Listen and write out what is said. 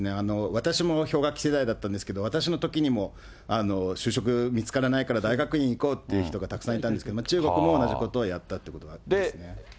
私も氷河期世代だったんですけど、私のときにも就職見つからないから、大学院行こうっていう人がたくさんいたんですけど、中国も同じことをやったということですね。